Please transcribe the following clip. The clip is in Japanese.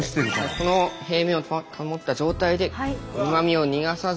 この平面を保った状態でうまみを逃がさずにこのまま。